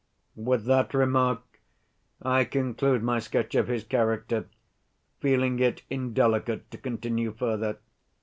"With that remark I conclude my sketch of his character, feeling it indelicate to continue further.